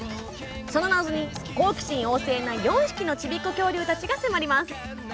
その謎に、好奇心旺盛な４匹のちびっこ恐竜たちが迫ります。